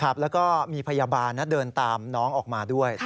แล้วก็มีพยาบาลเดินตามน้องออกมาด้วย